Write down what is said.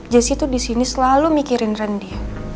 jessy tuh disini selalu mikirin randy